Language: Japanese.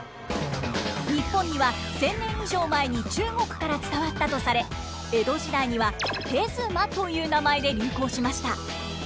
日本には１，０００年以上前に中国から伝わったとされ江戸時代には手妻という名前で流行しました。